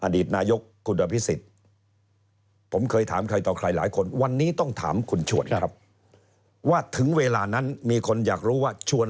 อดีตนายกคุณอภิษฎผมเคยถามใครต่อใครหลายคนวันนี้ต้องถามคุณชวนครับว่าถึงเวลานั้นมีคนอยากรู้ว่าชวน